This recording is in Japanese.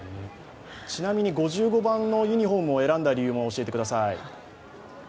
ちなみに５５番のユニフォームを選んだ理由も教えてください。